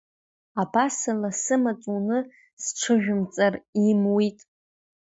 Абасала сымаҵ уны сҽыжәимҵар имуит.